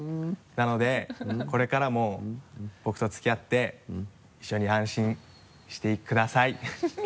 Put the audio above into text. なのでこれからも僕と付き合って一緒に安心してください。